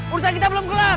urusan kita belum keluar